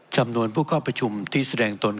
จำนวนผู้เข้าประชุมที่แสดงตน